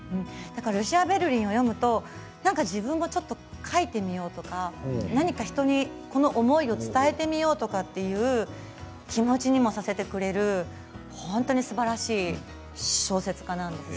ルシア・ベルリンを読むと自分もちょっと書いてみようとか何か人に、この思いを伝えてみようとかそういう気持ちにもさせてくれる本当にすばらしい小説家なんです。